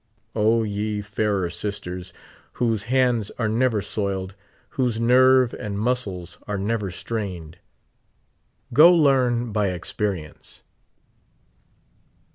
O, ye fairer sisters, whose hands are never soiled, whose nervet and muscles are never strained, go learn 3* 58 by experience